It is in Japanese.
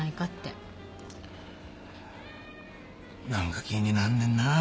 何か気になんねんな。